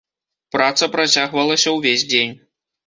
Праца працягвалася ўвесь дзень.